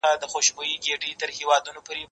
زه به سبا ښوونځی ځم!؟